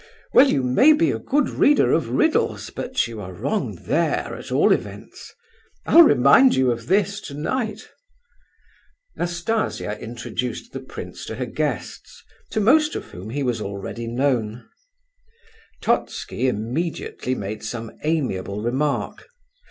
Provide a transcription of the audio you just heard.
"H'm! Well, you may be a good reader of riddles but you are wrong there, at all events. I'll remind you of this, tonight." Nastasia introduced the prince to her guests, to most of whom he was already known. Totski immediately made some amiable remark.